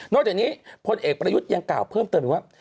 จากนี้พลเอกประยุทธ์ยังกล่าวเพิ่มเติมอีกว่า